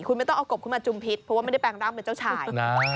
คุณไม่ต้องเอากบขึ้นมาจุมพิษเพราะว่าไม่ได้แปลงร่างเป็นเจ้าชายนะ